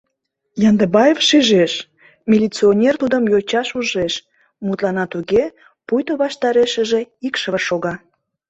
Яндыбаев шижеш: милиционер тудым йочаш ужеш, мутлана туге, пуйто ваштарешыже икшыве шога.